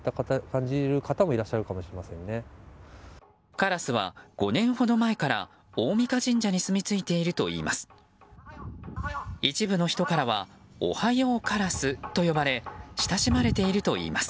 カラスは、５年ほど前から大甕神社にすみついているといいます。